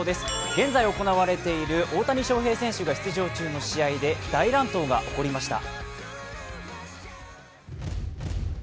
現在行われている大谷翔平選手が出場中の試合で大乱闘が起こりました。